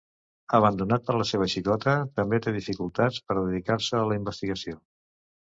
Abandonat per la seva xicota, també té dificultats per dedicar-se a la investigació.